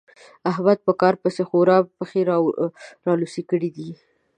احمد په کار پسې خورا پښې رالوڅې کړې دي.